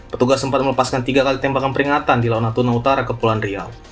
petugas sempat melepaskan tiga kali tembakan peringatan di laut natuna utara kepulauan riau